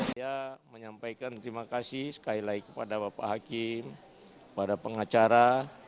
saya menyampaikan terima kasih sekali lagi kepada bapak hakim pada pengacara